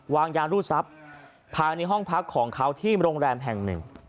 วางยารูดทรัพย์ภายในห้องพักของเขาที่โรงแรมแห่งหนึ่ง